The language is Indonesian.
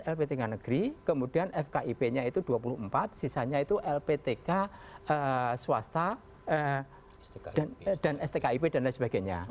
lp tiga negeri kemudian fkip nya itu dua puluh empat sisanya itu lptk swasta dan stkip dan lain sebagainya